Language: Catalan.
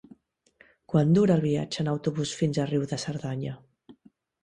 Quant dura el viatge en autobús fins a Riu de Cerdanya?